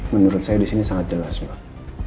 menurut saya disini sangat jelas mbak